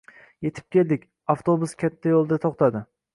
Yetib keldik. Avtobus katta yoʻlda toʻxtadi.